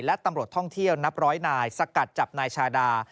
และตำรวจท่องเที่ยวนับร้อยนายสกัดจับนายชาดา